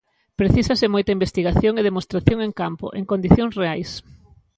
Precisase moita investigación e demostración en campo, en condicións reais.